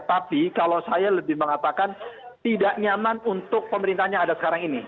tapi kalau saya lebih mengatakan tidak nyaman untuk pemerintahan yang ada sekarang ini